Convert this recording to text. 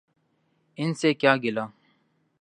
ان سے کیا گلہ۔